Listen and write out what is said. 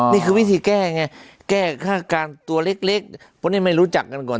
นี่คือวิธีแก้ไงแก้ฆ่าการตัวเล็กเพราะนี่ไม่รู้จักกันก่อน